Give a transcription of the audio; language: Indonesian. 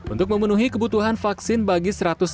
untuk memenuhi kebutuhan vaksin bagi seratus sekolah